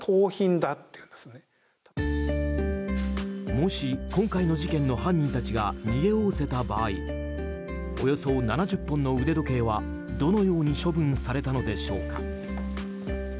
もし今回の事件の犯人たちが逃げおおせた場合およそ７０本の腕時計はどのように処分されたのでしょうか。